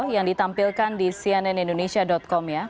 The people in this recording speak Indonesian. yang ditampilkan di cnn indonesia com ya